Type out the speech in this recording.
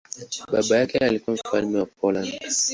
Baba yake alikuwa mfalme wa Poland.